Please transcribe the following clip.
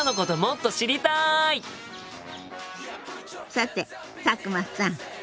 さて佐久間さん